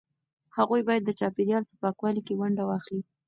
هغوی باید د چاپیریال په پاکوالي کې ونډه واخلي.